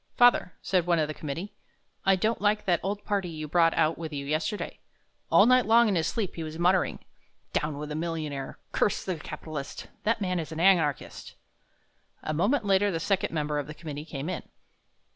"Father," said one of the committee, "I don't like that old party you brought out with you yesterday. All night long in his sleep he was muttering: 'Down with the millionaire; curse the capitalist' that man is an anarchist." A moment later the second member of the committee came in.